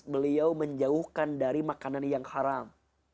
beliau menjauhkan dari makanan yang haram